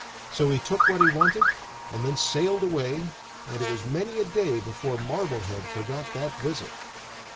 So he took what he wanted, and then sailed away, and it was many a day before Marblehead forgot that visit.